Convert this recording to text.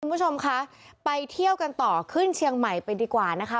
คุณผู้ชมคะไปเที่ยวกันต่อขึ้นเชียงใหม่ไปดีกว่านะคะ